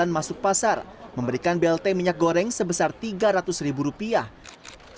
jokowi langsung menghampiri pada pedagang yang berjualan masuk pasar memberikan blt minyak goreng sebesar rp tiga ratus